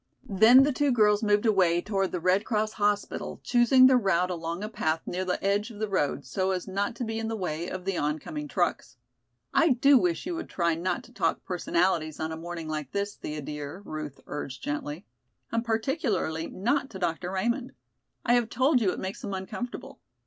Then the two girls moved away toward the Red Cross hospital choosing their route along a path near the edge of the road, so as not to be in the way of the oncoming trucks. "I do wish you would try not to talk personalities on a morning like this, Thea dear," Ruth urged gently, "and particularly not to Dr. Raymond. I have told you it makes him uncomfortable.